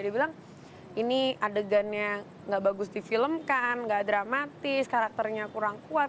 dia bilang ini adegannya nggak bagus difilmkan nggak dramatis karakternya kurang kuat